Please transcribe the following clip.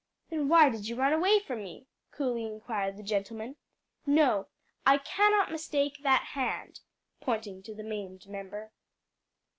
"Then why did you run away from me?" coolly inquired the gentleman. "No, I cannot mistake that hand," pointing to the maimed member.